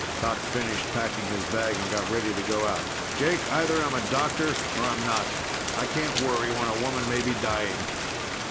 Doc finished packing his bag and got ready to go out. "Jake, either I'm a doctor or I'm not. I can't worry when a woman may be dying."